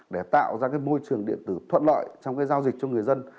để tạo ra môi trường điện tử thuận lợi trong giao dịch cho người dân